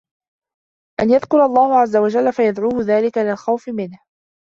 أَنْ يَذْكُرَ اللَّهَ عَزَّ وَجَلَّ فَيَدْعُوهُ ذَلِكَ إلَى الْخَوْفِ مِنْهُ